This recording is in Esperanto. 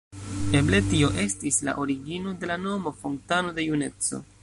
Eble tio estis la origino de la nomo ""fontano de juneco"".